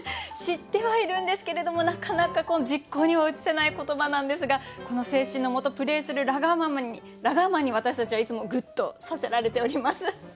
知ってはいるんですけれどもなかなか実行には移せない言葉なんですがこの精神のもとプレーするラガーマンに私たちはいつもぐっとさせられております。